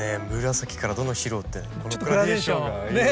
紫からどんどん白ってこのグラデーションがいいですね。